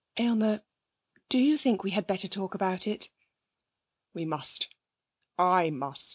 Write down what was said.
'Aylmer, do you think we had better talk about it?' 'We must. I must.